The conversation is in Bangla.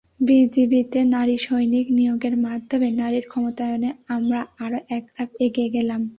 বিজিবিতে নারী সৈনিক নিয়োগের মাধ্যমে নারীর ক্ষমতায়নে আমরা আরও একধাপ এগিয়ে গেলাম।